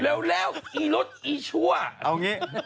เร็วอีรถอีชั่ว